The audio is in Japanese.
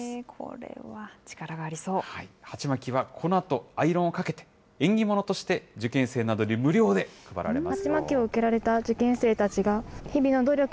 はちまきはこのあとアイロンをかけて、縁起物として受験生などに無料で配られます。